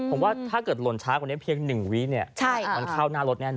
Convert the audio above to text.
ผมว่าถ้าเกิดหล่นช้ากว่านี้เพียง๑วิเนี่ยมันเข้าหน้ารถแน่นอ